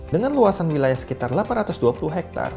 dengan luasan wilayah sekitar delapan ratus dua puluh hektare